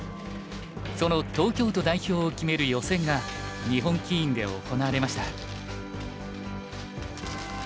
その東京都代表を決める予選が日本棋院で行われました。